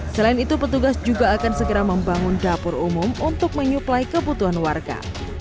selain itu petugas juga akan segera membangun dapur umum untuk menyuplai kebutuhan warga